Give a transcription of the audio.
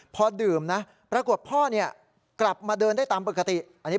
พอดื่มนะปรากฏพ่อเนี่ยกลับมาเดินได้ตามปกติอันนี้